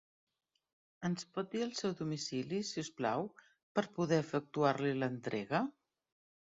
Ens pot dir el seu domicili, si us plau, per poder efectuar-li l'entrega?